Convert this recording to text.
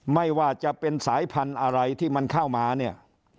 ไม่ว่าจะเป็นสายพันธุ์อะไรที่มันเข้ามาเนี่ย